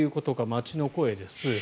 街の声です。